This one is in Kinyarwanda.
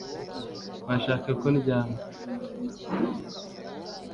Washaka ko ndyama